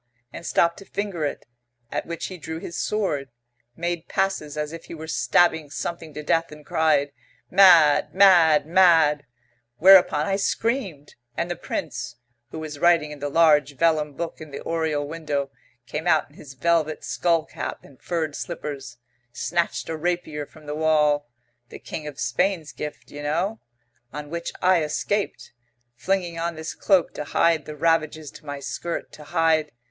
and stop to finger it? At which he drew his sword, made passes as if he were stabbing something to death, and cried, 'Mad! Mad! Mad!' Whereupon I screamed, and the Prince, who was writing in the large vellum book in the oriel window, came out in his velvet skull cap and furred slippers, snatched a rapier from the wall the King of Spain's gift, you know on which I escaped, flinging on this cloak to hide the ravages to my skirt to hide....